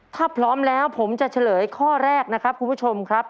ถ้าพร้อมแล้วผมจะเฉลยข้อแรกนะครับคุณผู้ชมครับ